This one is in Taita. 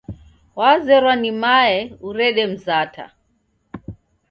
Wazerwa ni mae urede mzata.